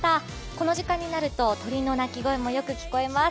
この時間になると、鳥の鳴き声もよく聞こえます。